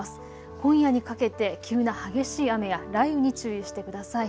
今夜にかけて急な激しい雨や雷雨に注意してください。